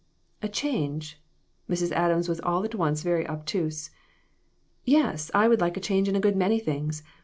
" A change ?" Mrs. Adams was all at once very obtuse. "Yes, I would like a change in a good many things.